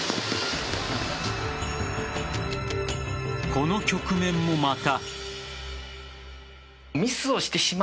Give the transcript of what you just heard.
この局面もまた。